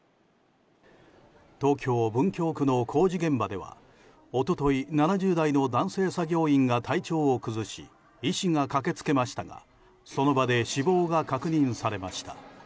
東京・文京区の工事現場では一昨日、７０代の男性作業員が体調を崩し医師が駆けつけましたがその場で死亡が確認されました。